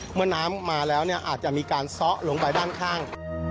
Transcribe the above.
เมื่อน้ำมาแล้วเนี่ยอาจจะมีการซ้อลงไปด้านข้าง